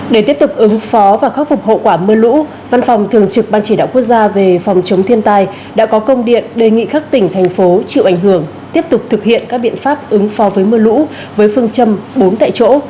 để tiếp tục ứng phó và khắc phục hậu quả mưa lũ văn phòng thường trực ban chỉ đạo quốc gia về phòng chống thiên tai đã có công điện đề nghị các tỉnh thành phố chịu ảnh hưởng tiếp tục thực hiện các biện pháp ứng phó với mưa lũ với phương châm bốn tại chỗ